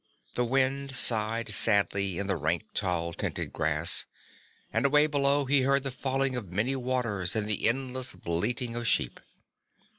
The wind sighed sadly in the rank, red tinted grass, and away below he heard the falling of many waters and the endless bleating of sheep.